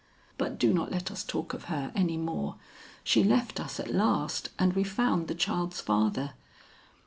But do not let us talk of her any more. She left us at last, and we found the child's father.